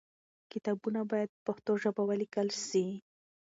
کتابونه باید په پښتو ژبه ولیکل سي.